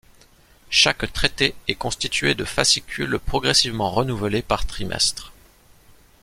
Chaque traité est constitué de fascicules progressivement renouvelés par trimestre.